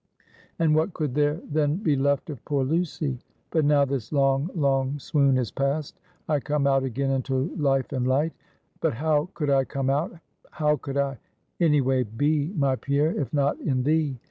and what could there then be left of poor Lucy? But now, this long, long swoon is past; I come out again into life and light; but how could I come out, how could I any way be, my Pierre, if not in thee?